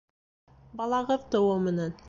Балағыҙ тыуыу менән!